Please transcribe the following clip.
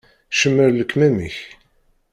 Cemmer lekmam-ik.